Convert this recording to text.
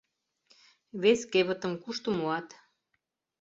Вес кевытым кушто муат?